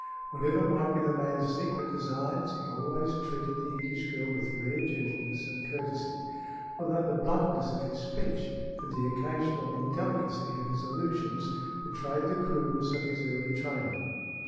Whatever might be the man's secret designs, he always treated the English girl with rare gentleness and courtesy, although the bluntness of his speech and the occasional indelicacy of his allusions betrayed the crudeness of his early training.